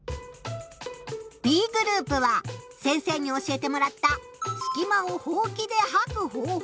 Ｂグループは先生に教えてもらった「すき間をほうきではく方法」。